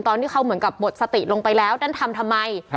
ตอนที่เขาเหมือนกับหมดสติลงไปแล้วนั่นทำทำไม